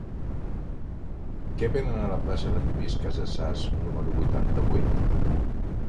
Què venen a la plaça de Lluís Casassas número vuitanta-vuit?